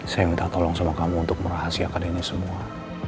saya minta tolong sama kamu untuk merahasiakan ini semua